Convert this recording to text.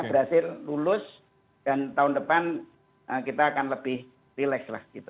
berhasil lulus dan tahun depan kita akan lebih relax lah gitu